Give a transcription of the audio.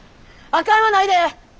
あかんはないで！